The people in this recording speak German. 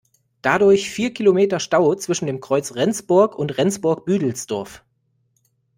Dadurch vier Kilometer Stau zwischen dem Kreuz Rendsburg und Rendsburg-Büdelsdorf.